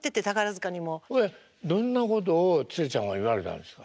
どんなことをツレちゃんは言われたんですか？